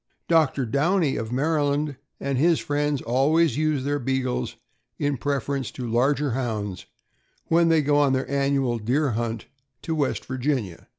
Doctor Downey, of Maryland, and his friends always use their Beagles in preference to larger Hounds when they go on their annual deer hunt to West Virginia.